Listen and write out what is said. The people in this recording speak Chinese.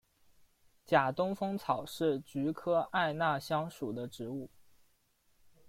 假东风草是菊科艾纳香属的植物。